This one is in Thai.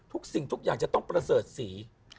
สิ่งทุกอย่างจะต้องประเสริฐสี